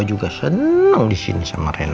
opa juga seneng disini sama rena